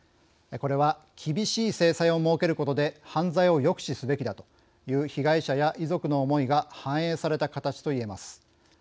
これは厳しい制裁を設けることで犯罪を抑止すべきだという被害者や遺族の思いが反映された形といえます。